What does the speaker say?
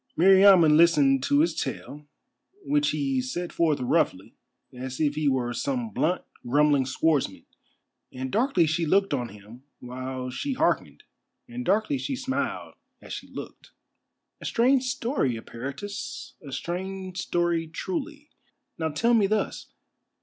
Meriamun listened to his tale, which he set forth roughly, as if he were some blunt, grumbling swordsman, and darkly she looked on him while she hearkened, and darkly she smiled as she looked. "A strange story, Eperitus, a strange story truly. Now tell me thus.